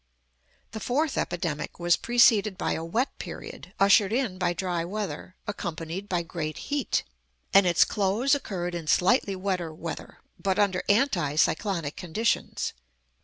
The fourth epidemic was preceded by a wet period, ushered in by dry weather, accompanied by great heat; and its close occurred in slightly wetter weather, but under anti cyclonic conditions.